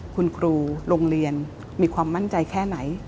คุณครูโรงเรียนมีความมั่นใจแค่ไหน